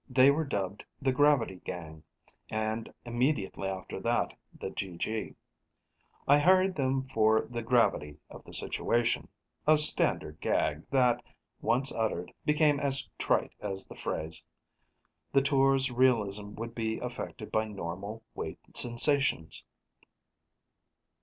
They were dubbed the Gravity Gang, and immediately after, the GG. I hired them for the gravity of the situation, a standard gag that, once uttered, became as trite as the phrase. The Tour's realism would be affected by normal weight sensations.